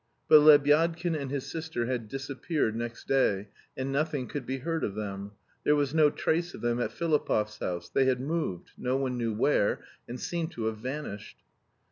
But Lebyadkin and his sister had disappeared next day, and nothing could be heard of them. There was no trace of them at Filipov's house, they had moved, no one knew where, and seemed to have vanished.